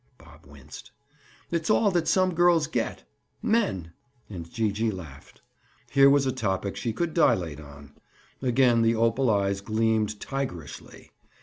Bob winced. "It's all that some girls get. Men!" And Gee gee laughed. Here was a topic she could dilate on. Again the opal eyes gleamed tigerishly.